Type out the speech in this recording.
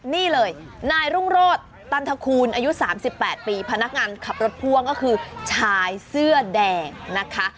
นี่เลยนายรุ่งโรศตันทคูณอายุ๓๘ปีพนักงานขับรถพ่วงก็คือชายเสื้อแดงนะคะ